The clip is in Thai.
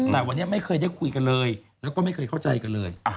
แต่วันนี้ไม่เคยได้คุยกันเลยแล้วก็ไม่เคยเข้าใจกันเลย